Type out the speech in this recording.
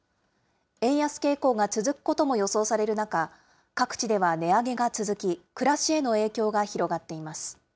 円安傾向が続くことも予想される中、各地では値上げが続き、暮らしへの影響が広がっています。